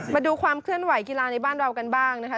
มาดูความเคลื่อนไหวกีฬาในบ้านเรากันบ้างนะคะ